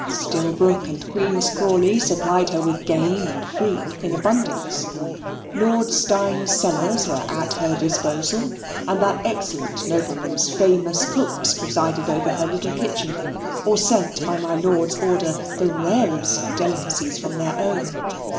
Stillbrook and Queen's Crawley supplied her with game and fruit in abundance. Lord Steyne's cellars were at her disposal, and that excellent nobleman's famous cooks presided over her little kitchen, or sent by my lord's order the rarest delicacies from their own.